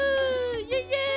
イエイ！